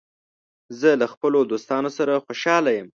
زه له خپلو دوستانو سره خوشاله یم.